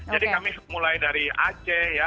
jadi kami mulai dari aceh ya